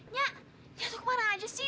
nyah nyah lu kemana aja sih